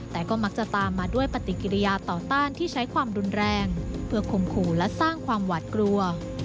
แต่ก็มักจะตามมาด้วยปฏิกิริยาต่อต้านที่ใช้ความรุนแรงเพื่อคมขู่และสร้างความหวัดกลัว